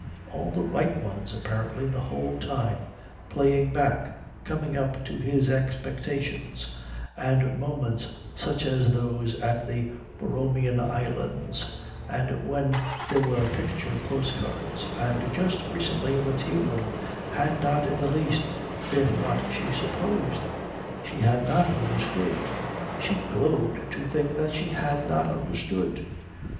All the right ones, apparently, the whole time playing back, coming up to his expectations; and moments such as those at the Borromean Islands, and when there were picture postcards, and just recently in the tea room, had not in the least been what she supposed. She had not understood. She glowed to think she had not understood.